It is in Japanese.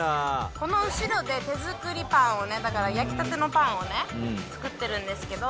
この後ろで手作りパンをねだから焼きたてのパンをね作ってるんですけど。